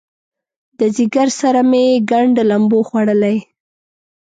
د ځیګر سره مې ګنډ لمبو خوړلی